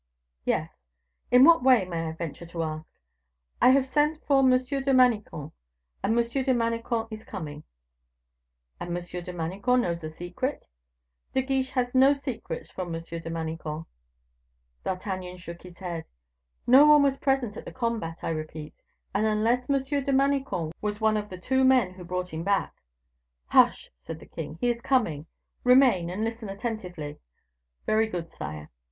"Yes." "In what way, may I venture to ask?" "I have sent for M. de Manicamp, and M. de Manicamp is coming." "And M. de Manicamp knows the secret?" "De Guiche has no secrets from M. de Manicamp." D'Artagnan shook his head. "No one was present at the combat, I repeat; and unless M. de Manicamp was one of the two men who brought him back " "Hush!" said the king, "he is coming; remain, and listen attentively." "Very good, sire."